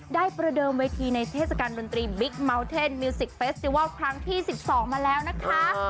ประเดิมเวทีในเทศกาลดนตรีบิ๊กเมาเทนมิวสิกเฟสติวัลครั้งที่๑๒มาแล้วนะคะ